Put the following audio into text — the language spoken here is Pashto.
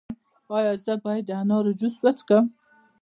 ایا زه باید د انار جوس وڅښم؟